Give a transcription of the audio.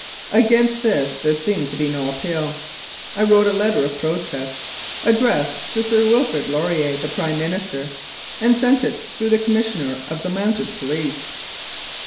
Against this there seemed to be no appeal. I wrote a letter of protest addressed to Sir Wilfrid Laurier, the Prime Minister, and sent it through the Commissioner of the Mounted Police.